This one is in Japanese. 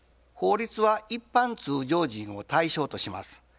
法律は一般通常人を対象とします。